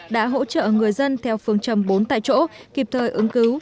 đã hỗ trợ người dân theo phương trầm bốn tại chỗ kịp thời ứng cứu